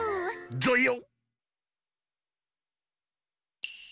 「ぞよ！」。